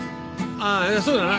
ああそうだな。